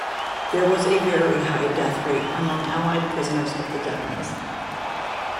There was a very high death rate among Allied prisoners of the Japanese.